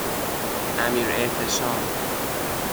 امیراحتشام